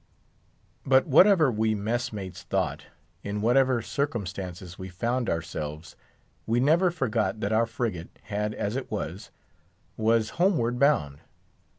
But whatever we mess mates thought, in whatever circumstances we found ourselves, we never forgot that our frigate, had as it was, was homeward bound.